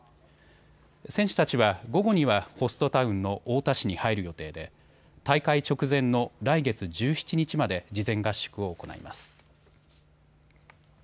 選手たちは午後にはホストタウンの太田市に入る予定で大会直前の来月１７日まで事前合宿を行います。